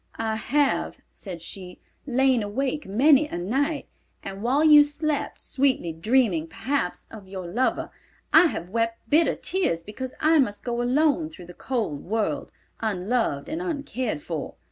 "I have," said she, "lain awake many a night, and while you slept sweetly, dreaming, perhaps, of your lover, I have wept bitter tears because I must go alone through the cold world, unloved and uncared for.